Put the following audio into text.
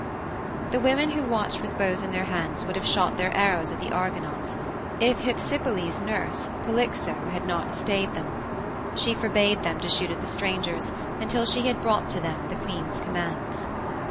The women who watched with bows in their hands would have shot their arrows at the Argonauts if Hypsipyle's nurse, Polyxo, had not stayed them. She forbade them to shoot at the strangers until she had brought to them the queen's commands.